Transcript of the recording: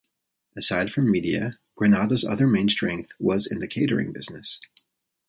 Aside from media, Granada's other main strength was in the catering business.